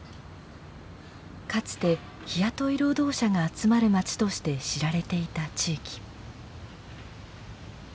かつて日雇い労働者が集まる街として知られていた地域。